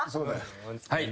はい！